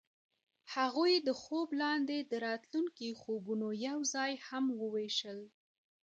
هغوی د خوب لاندې د راتلونکي خوبونه یوځای هم وویشل.